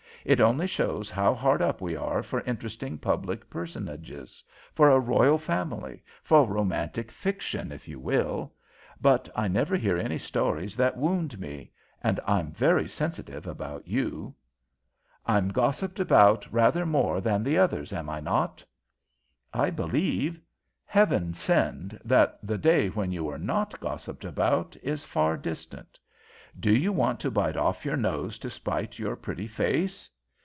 It only shows how hard up we are for interesting public personages; for a royal family, for romantic fiction, if you will. But I never hear any stories that wound me, and I'm very sensitive about you." "I'm gossiped about rather more than the others, am I not?" "I believe! Heaven send that the day when you are not gossiped about is far distant! Do you want to bite off your nose to spite your pretty face?